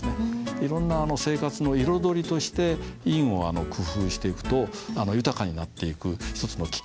いろんな生活の彩りとして印を工夫していくと豊かになっていく一つのきっかけにもなります。